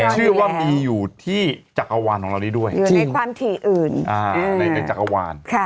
ชื่อว่ามีอยู่ที่จักรวรรณ์ของเรานี้ด้วยอยู่ในความถี่อื่น